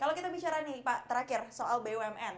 kalau kita bicara nih pak terakhir soal bumn